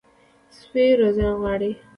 سپي روزنه غواړي.